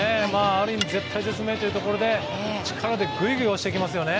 ある意味絶体絶命というところで力でぐいぐい押していきます。